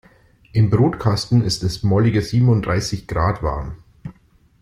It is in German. Im Brutkasten ist es mollige siebenunddreißig Grad warm.